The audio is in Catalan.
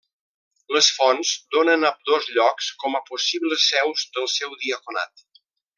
Les fonts donen ambdós llocs com a possibles seus del seu diaconat.